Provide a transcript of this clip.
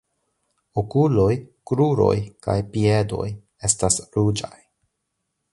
Okuloj, kruroj kaj piedoj estas ruĝaj.